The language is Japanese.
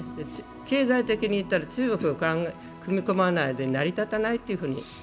経済的に言ったら、中国を組み込まないで成り立たなくなっている。